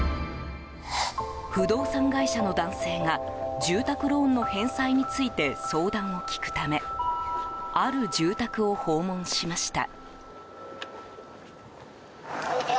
不動産会社の男性が住宅ローンの返済について相談を聞くためある住宅を訪問しました。